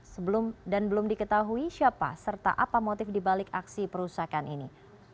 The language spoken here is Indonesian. sebelum dan belum diketahui siapa serta apa motif dibalik aksi perusahaan ini